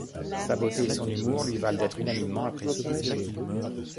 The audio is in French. Sa beauté et son humour lui valent d'être unanimement appréciée.